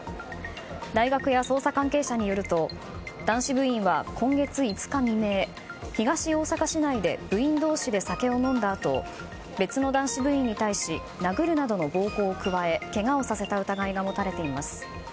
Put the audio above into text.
大学や捜査関係者によると男子部員は今月５日未明東大阪市内で部員同士で酒を飲んだあと別の男子部員に対し殴るなどの暴行を加えけがをさせた疑いが持たれています。